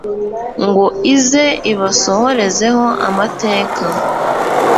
ngo ize ibasohorezeho amateka